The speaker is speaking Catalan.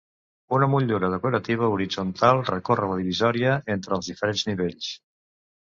Una motllura decorativa horitzontal recorre la divisòria entre els diferents nivells.